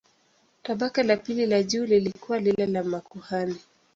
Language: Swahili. Tabaka la pili la juu lilikuwa lile la makuhani.